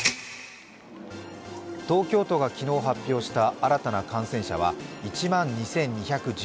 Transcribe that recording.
東京都が昨日発表した新たな感染者は１万２２１１人。